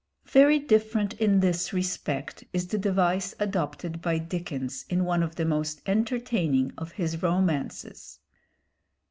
Very different in this respect is the device adopted by Dickens in one of the most entertaining of his romances.